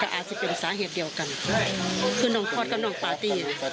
ก็อาจจะเป็นสาเหตุเดียวกันเพราะว่าอาการมันฆ่าอยู่กัน